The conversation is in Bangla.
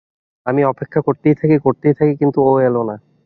আমি অপেক্ষা করতেই থাকি, করতেই থাকি, কিন্তু ও এলো না।